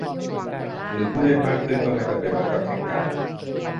หรือผู้เล่นมากขึ้นก็ไม่จำเป็นว่าจะแข่งกัน ?